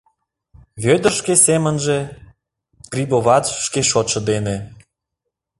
Вӧдыр — шке семынже, Грибоват — шке шотшо дене.